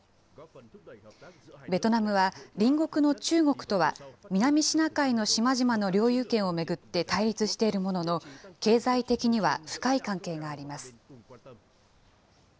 ベトナムは隣国の中国とは、南シナ海の島々の領有権を巡って対立しているものの、経済的には深い関係があります。